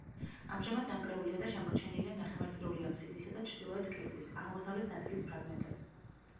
ამჟამად დანგრეულია და შემორჩენილია ნახევარწრიული აფსიდისა და ჩრდილოეთ კედლის, აღმოსავლეთ ნაწილის ფრაგმენტები.